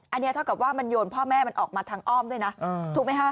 อันนี้เท่ากับว่ามันโยนพ่อแม่มันออกมาทางอ้อมด้วยนะถูกไหมฮะ